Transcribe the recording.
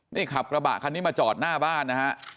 นี่ขับกระบะคันนี้มาจอดหน้าบ้านนะฮะ